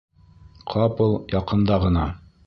Ҡапыл яҡында ғына: